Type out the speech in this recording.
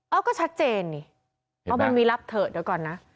เอ้าก็ชัดเจนเพราะมันมีรับเถอะเดี๋ยวก่อนนะ